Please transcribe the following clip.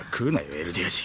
エルディア人。